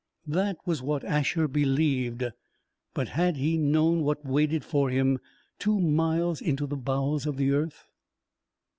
That was what Asher believed. But, had he known what waited for him, two miles into the bowels of the earth....